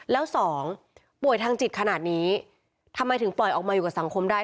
แล้วสองป่วยทางจิตขนาดนี้ทำไมถึงปล่อยออกมาอยู่กับสังคมได้